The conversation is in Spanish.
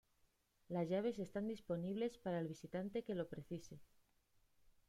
Las llaves están disponibles para el visitante que lo precise.